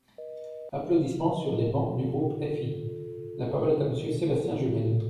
(Applaudissements sur les bancs du groupe FI.) La parole est à Monsieur Sébastien Jumel.